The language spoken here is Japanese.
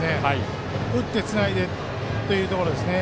打ってつないでというところですね。